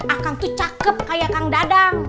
akan tuh cakep kayak kang dadang